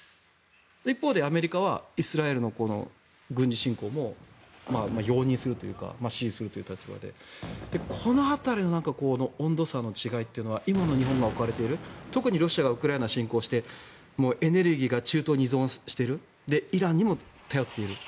一方でアメリカはイスラエルの軍事侵攻も容認するというか支持するという立場でこの辺りの温度差の違いって今の日本が置かれている特にロシアがウクライナへ侵攻してエネルギーが中東に依存しているイランにも頼っている。